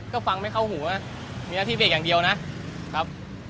ก็ฟังไม่เข้าหัวมีหน้าที่เบรกอย่างเดียวนะครับ